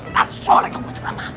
sampai sore gua bujelan lah